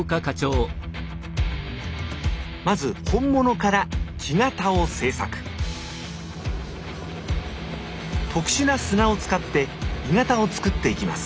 まず本物から木型を製作特殊な砂を使って鋳型を作っていきます